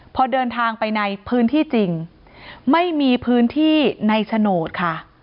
พอเดินทางไปในพื้นที่จริงไม่มีพื้นที่ในโฉนดค่ะ